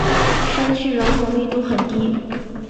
山区人口密度很低。